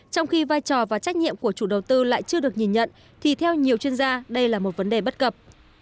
trong khi vai trò và trách nhiệm của chủ đầu tư lại chưa được nhìn nhận thì theo nhiều chuyên gia đây là một vấn đề bất cập